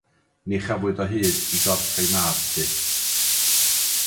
Ni chafwyd o hyd i gorff ei mab fyth.